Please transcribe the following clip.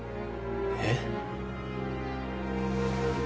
えっ？